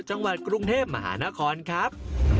จังหวัดกรุงเทพมหานครครับ